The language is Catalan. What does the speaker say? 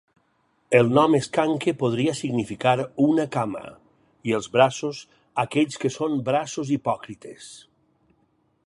El nom Skanke podria significar "una cama", i els braços, aquells que són braços hipòcrites.